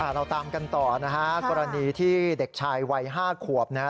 เราตามกันต่อนะฮะกรณีที่เด็กชายวัย๕ขวบนะฮะ